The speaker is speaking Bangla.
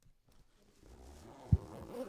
কেন বুঝতে পারো নি?